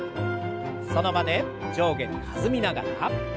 その場で上下に弾みながら。